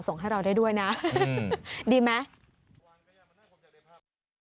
ส่งให้เราได้ด้วยนะดีไหม